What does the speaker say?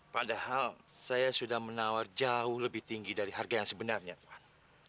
padahal saya sudah menawar jauh lebih tinggi dari harga yang sebenarnya tuhan